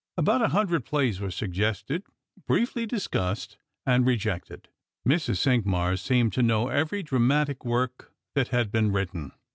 About a hundred plays were suggested, briefly discussed, and rejected. Mrs. Cinqmars seemed to know every dramatic work that had been written.